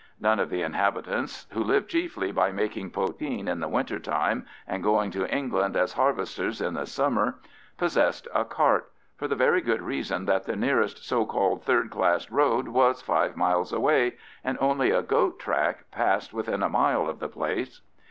None of the inhabitants, who lived chiefly by making poteen in the winter time and going to England as harvesters in the summer, possessed a cart, for the very good reason that the nearest so called third class road was five miles away, and only a goat track passed within a mile of the place.